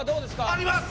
あります！